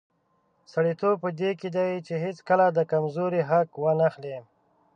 سړیتوب په دې کې دی چې هیڅکله د کمزوري حق وانخلي.